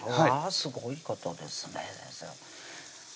すごいことですね先生